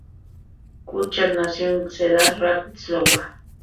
Kutcher nació en Cedar Rapids, Iowa.